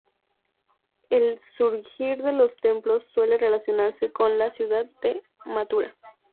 El surgir de los templos suele relacionarse con la ciudad de Mathura.